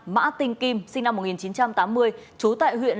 mã tinh kim sinh năm một nghìn chín trăm tám mươi